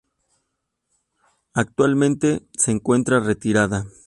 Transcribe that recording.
Actualmente se encuentra retirada.